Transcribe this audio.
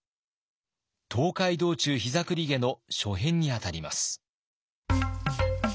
「東海道中膝栗毛」の初編にあたります。